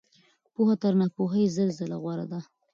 پوهه تر ناپوهۍ زر ځله غوره ده.